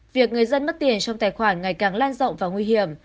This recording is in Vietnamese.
việc người dân mất tiền trong tài khoản ngày càng lan rộng và nguy hiểm